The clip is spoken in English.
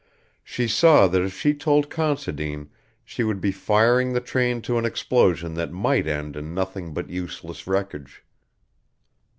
She saw that if she told Considine she would be firing the train to an explosion that might end in nothing but useless wreckage.